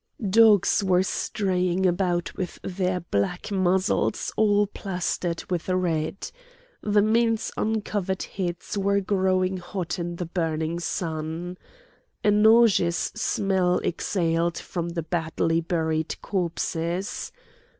Dogs were straying about with their black muzzles all plastered with red. The men's uncovered heads were growing hot in the burning sun. A nauseous smell exhaled from the badly buried corpses.